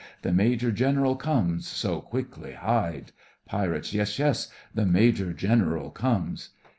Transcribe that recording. The Major Gen'ral comes, so quickly hide! PIRATES: Yes, yes, the Major General comes!